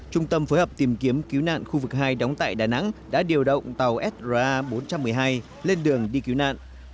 trung tâm phối hợp tìm kiếm cứu nạn khu vực hai đóng tại đà nẵng đã điều động tàu sar bốn trăm một mươi hai lên đường đi cứu nạn